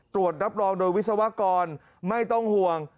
ตรวจรับรองโดยวิศวกรไม่ต้องห่วง